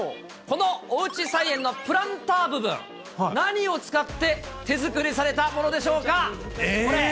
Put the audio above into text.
このおうち菜園のプランター部分、何を使って手作りされたものでしょうか？